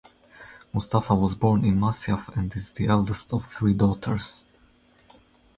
Mustafa was born in Masyaf and is the eldest of three daughters.